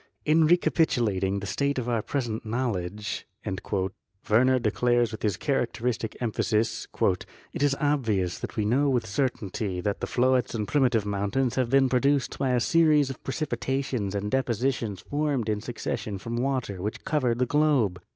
"In recapitulating the state of our pres ent knowledge," Werner declares with his characteristic emphasis, "it is obvious that we know with certainty that the floetz and primitive mountains have been produced by a series of precipitations and depositions formed in suc cession from water which covered the globe.